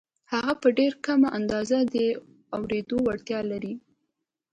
هغه په ډېره کمه اندازه د اورېدو وړتیا لري